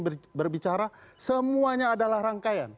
ada yang berbicara semuanya adalah rangkaian